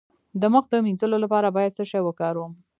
د مخ د مینځلو لپاره باید څه شی وکاروم؟